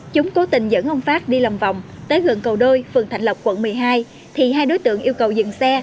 chúng cố tình dẫn ông phát đi lòng vòng tới gần cầu đôi phường thạnh lộc quận một mươi hai thì hai đối tượng yêu cầu dừng xe